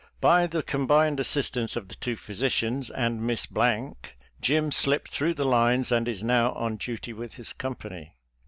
By the combined assistance of the two physicians and Miss , Jim slipped through the lines and is now on duty with his company.